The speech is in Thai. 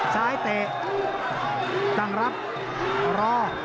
ซ้ายเตะตั้งรับรอ